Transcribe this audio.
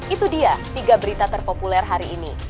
itu dia tiga berita terpopuler hari ini